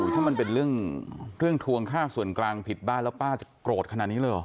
ถ้ามันเป็นเรื่องทวงค่าส่วนกลางผิดบ้านแล้วป้าจะโกรธขนาดนี้เลยเหรอ